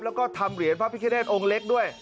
แล้วก็ทำเหรียญพระพิคเนธองค์เล็กด้วย